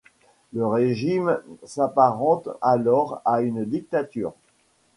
Le régime s'apparente alors à une dictature.